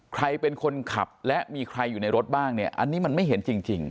ใครเป็นคนขับและมีใครอยู่ในรถบ้างเนี่ยอันนี้มันไม่เห็นจริง